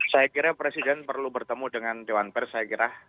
saya kira presiden perlu bertemu dengan dewan pers saya kira